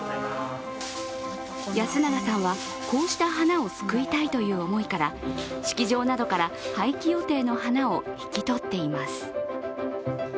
安永さんは、こうした花を救いたいという思いから式場などから廃棄予定の花を引き取っています。